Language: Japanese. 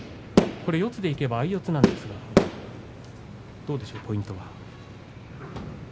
四つでいけば相四つなんですがどうでしょう、ポイントは。